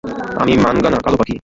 আমি মানগানা, কালো পাখি।